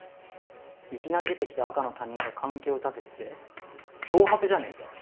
いきなり出てきて赤の他人が「関係を断て」って脅迫じゃねえかよ。